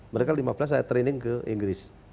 mereka lima belas saya training ke inggris